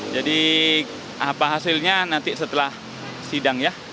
jadi apa hasilnya nanti setelah sidang ya